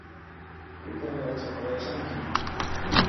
Pitan yachapayashanki?